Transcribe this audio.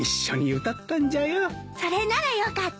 それならよかった。